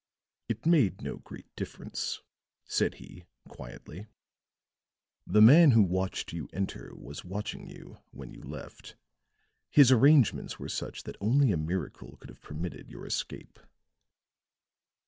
"It made no great difference," said he quietly. "The man who watched you enter was watching you when you left. His arrangements were such that only a miracle could have permitted your escape."